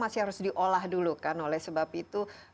masih harus diolah dulu kan oleh sebab itu